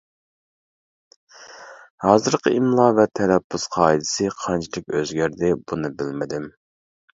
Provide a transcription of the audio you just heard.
ھازىرقى ئىملا ۋە تەلەپپۇز قائىدىسى قانچىلىك ئۆزگەردى بۇنى بىلمىدىم.